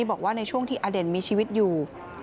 บอกว่าในช่วงที่อเด่นมีชีวิตอยู่